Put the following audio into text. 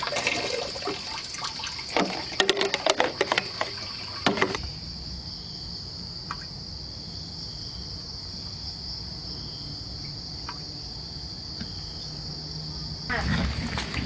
พร้อมทุกสิทธิ์